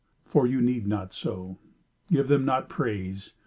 For you need not so. Give them not praise.